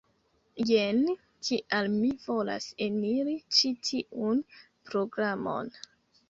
Jen kial mi volas eniri ĉi tiun programon